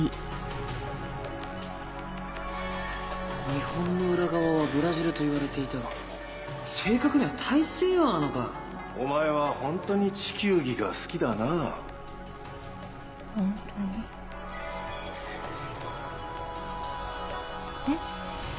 日本の裏側はブラジルといわれていたが正確には大西洋なのかお前はホントに地球儀が好きだなぁ「ホントに」。え？